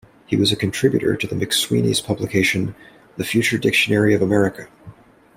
He was a contributor to the McSweeney's publication "The Future Dictionary of America".